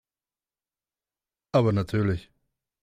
Aber natürlich.